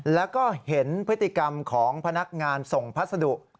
แล้วก็เห็นพฤติกรรมของพนักงานส่งพัสดุ